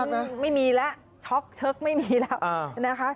ไม่มีแล้วช็อกเชิกไม่มีแล้วนะคะ